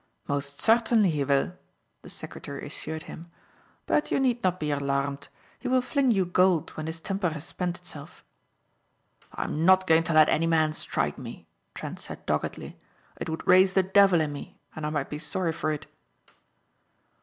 "Most certainly he will," the secretary assured him, "but you need not be alarmed. He will fling you gold when his temper has spent itself." "I'm not going to let any man strike me," Trent said doggedly. "It would raise the devil in me and I might be sorry for it."